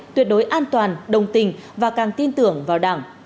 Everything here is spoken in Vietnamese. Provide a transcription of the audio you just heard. tuyệt đối an toàn đồng tình và càng tin tưởng vào đảng